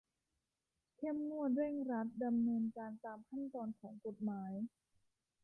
เข้มงวดเร่งรัดดำเนินการตามขั้นตอนของกฎหมาย